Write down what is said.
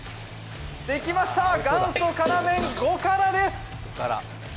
できました、元祖辛麺５辛です。